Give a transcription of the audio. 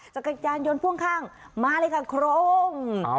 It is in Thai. จักรยานยนต์พ่วงข้างมาเลยค่ะโครง